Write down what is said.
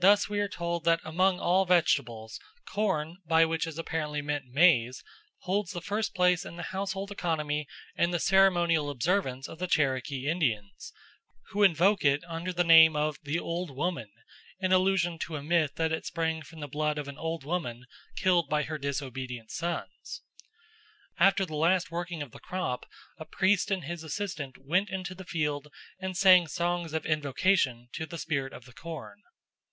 Thus we are told that among all vegetables corn, by which is apparently meant maize, holds the first place in the household economy and the ceremonial observance of the Cherokee Indians, who invoke it under the name of "the Old Woman" in allusion to a myth that it sprang from the blood of an old woman killed by her disobedient sons. After the last working of the crop a priest and his assistant went into the field and sang songs of invocation to the spirit of the corn.